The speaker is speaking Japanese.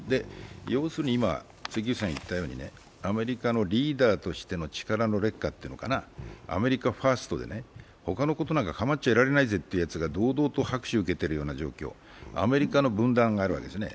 要するに、アメリカのリーダーとしての力の劣化というのかな、アメリカファーストで他のことなんか構っちゃられないぜってやつが堂々と拍手を受けているような状況、アメリカの分断があるわけですね。